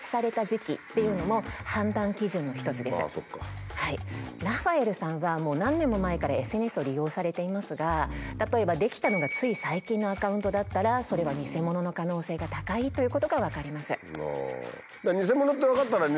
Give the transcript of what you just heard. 例えばラファエルさんはもう何年も前からＳＮＳを利用されていますが例えば出来たのがつい最近のアカウントだったらそれは偽物の可能性が高いということが分かります。